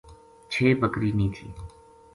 چھ بکری نیہہ تھی